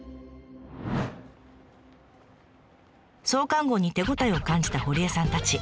創刊号に手応えを感じた堀江さんたち。